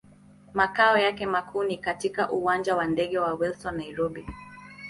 Makao yake makuu ni katika Uwanja wa ndege wa Wilson, Nairobi.